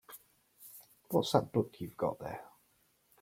What's that book you've got there?